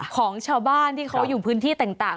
ของชาวบ้านที่เขาอยู่พื้นที่ต่าง